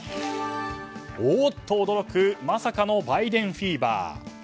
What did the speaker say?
おっ！と驚くまさかのバイデンフィーバー。